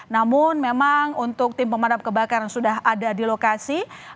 namun memang untuk tim pemadam kebakaran sudah ada di lokasi